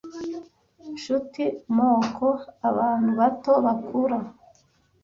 nshuti moko abantu bato bakura